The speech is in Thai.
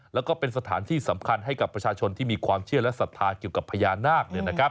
แล้วก็เป็นสถานที่สำคัญให้กับประชาชนที่มีความเชื่อและศรัทธาเกี่ยวกับพญานาค